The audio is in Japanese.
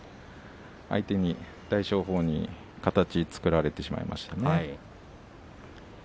相手大翔鵬に形を作られてしまいましたね。